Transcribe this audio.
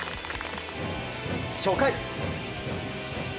初回。